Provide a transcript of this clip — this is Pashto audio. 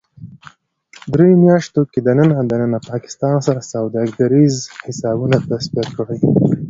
دریو میاشتو کې دننه ـ دننه پاکستان سره سوداګریز حسابونه تصفیه کړئ